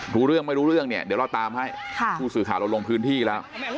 รู้เรื่องไม่รู้เรื่องเนี่ยเดี๋ยวเราตามให้ผู้สื่อข่าวเราลงพื้นที่แล้ว